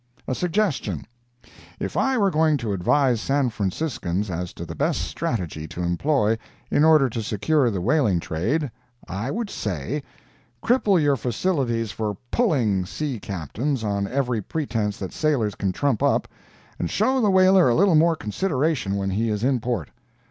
A SUGGESTION If I were going to advise San Franciscans as to the best strategy to employ in order to secure the whaling trade, I would say, cripple your facilities for "pulling" sea captains on every pretense that sailors can trump up, and show the whaler a little more consideration when he is in port.